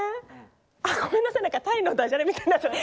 あごめんなさい何かタイのダジャレみたいになっちゃった。